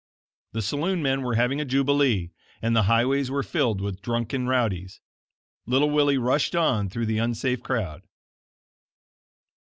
The saloon men were having a jubilee, and the highways were filled with drunken rowdies. Little Willie rushed on through the unsafe crowd.